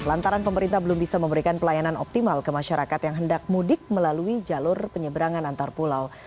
lantaran pemerintah belum bisa memberikan pelayanan optimal ke masyarakat yang hendak mudik melalui jalur penyeberangan antar pulau